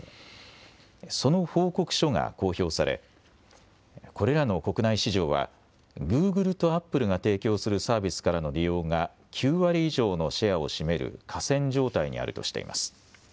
その報告書が公表されこれらの国内市場はグーグルとアップルが提供するサービスからの利用が９割以上のシェアを占める寡占状態にあるとしています。